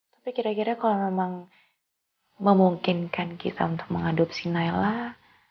tapi kira kira kalau memang memungkinkan kita untuk mengadopsi naila